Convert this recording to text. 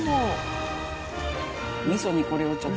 みそにこれをちょっと。